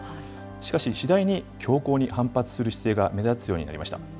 しかし、次第に強硬に反発する姿勢が目立つようになりました。